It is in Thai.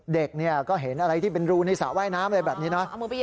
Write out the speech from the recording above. เด็กก็เห็นอะไรที่เป็นรูในสระว่ายน้ำอะไรแบบนี้นะ